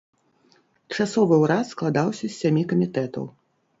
Часовы ўрад складаўся з сямі камітэтаў.